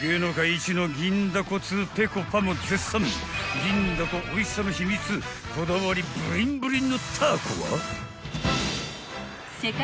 ［銀だこおいしさの秘密こだわりぶりんぶりんのタコは］